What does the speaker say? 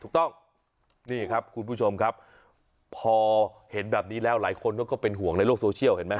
ถูกต้องนี่ครับคุณผู้ชมครับพอเห็นแบบนี้แล้วหลายคนก็เป็นห่วงในโลกโซเชียลเห็นไหม